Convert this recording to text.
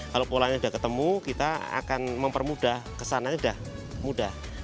kalau polanya sudah ketemu kita akan mempermudah kesana sudah mudah